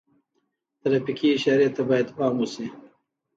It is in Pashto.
ترافیکي اشارې ته باید پام وشي.